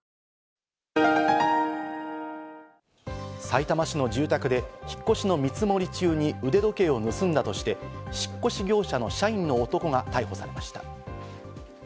さいたま市の住宅で引っ越しの見積もり中に腕時計を盗んだとして、引っ越し業者の社員の男が逮捕されました。